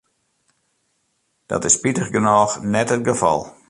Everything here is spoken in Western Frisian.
Dat is spitich genôch net it gefal.